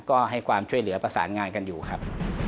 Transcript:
ก็ให้ความช่วยเหลือประสานงานกันอยู่ครับ